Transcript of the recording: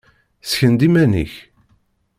Sken-d iman-ik!